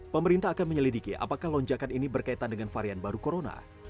pemerintah akan menyelidiki apakah lonjakan ini berkaitan dengan varian baru corona